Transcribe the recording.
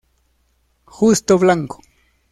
Justo Blanco.